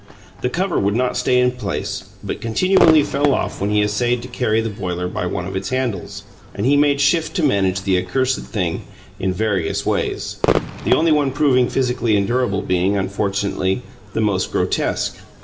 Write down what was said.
The cover would not stay in place, but continually fell off when he essayed to carry the boiler by one of its handles, and he made shift to manage the accursed thing in various ways the only one proving physically endurable being, unfortunately, the most grotesque.